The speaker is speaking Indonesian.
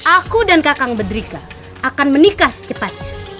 aku dan kakak mbak drika akan menikah secepatnya